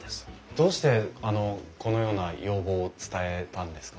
どうしてこのような要望を伝えたんですか？